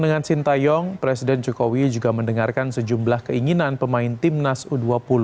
dengan sintayong presiden jokowi juga mendengarkan sejumlah keinginan pemain timnas u dua puluh